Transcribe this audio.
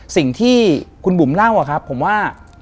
สิ่งที่คุณบุ๋มเล่าครับผมว่า